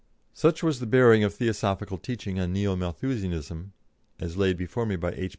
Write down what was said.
Such was the bearing of Theosophical teaching on Neo Malthusianism, as laid before me by H.